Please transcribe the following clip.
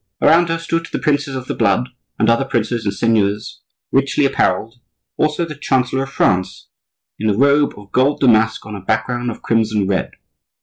Around her stood the princes of the blood, and other princes and seigneurs, richly apparelled, also the chancellor of France in a robe of gold damask on a background of crimson red.